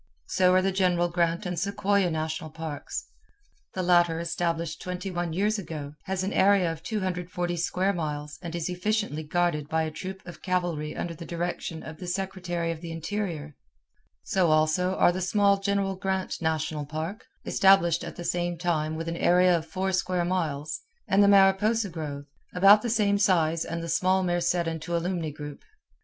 So are the General Grant and Sequoia National Parks; the latter, established twenty one years ago, has an area of 240 square miles and is efficiently guarded by a troop of cavalry under the direction of the Secretary of the Interior; so also are the small General Grant National Park, estatblished at the same time with an area of four square miles, and the Mariposa grove, about the same size and the small Merced and Tuolumne group.